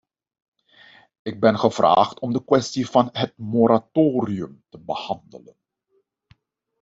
Ik ben gevraagd om de kwestie van het moratorium te behandelen.